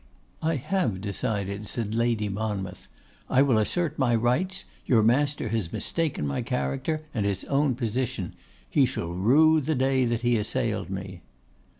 'I have decided,' said Lady Monmouth. 'I will assert my rights. Your master has mistaken my character and his own position. He shall rue the day that he assailed me.